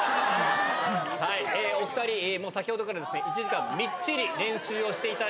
お２人、もう先ほどからですね、１時間みっちり練習をしていただ